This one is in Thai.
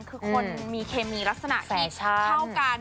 คือคนมีเคมีลักษณะที่เข้ากัน